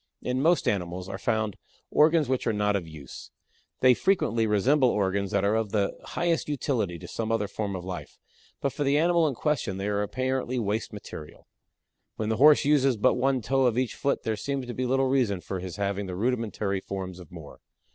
In most animals are found organs which are not of use. They frequently resemble organs that are of the highest utility to some other form of life, but for the animal in question they are apparently waste material. When the Horse uses but one toe of each foot there seems to be little reason for his having the rudimentary forms of more.